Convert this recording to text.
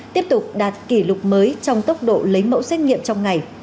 tiếp tục đạt kỷ lục mới trong tốc độ lấy mẫu xét nghiệm trong ngày